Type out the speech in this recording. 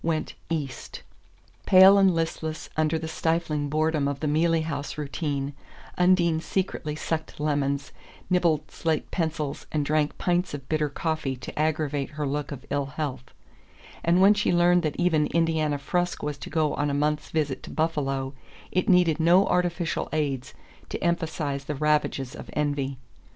went "east." Pale and listless under the stifling boredom of the Mealey House routine, Undine secretly sucked lemons, nibbled slate pencils and drank pints of bitter coffee to aggravate her look of ill health; and when she learned that even Indiana Frusk was to go on a month's visit to Buffalo it needed no artificial aids to emphasize the ravages of envy.